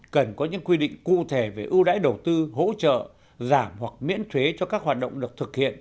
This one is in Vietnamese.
cần có những quy định cụ thể về ưu đãi đầu tư hỗ trợ giảm hoặc miễn thuế cho các hoạt động được thực hiện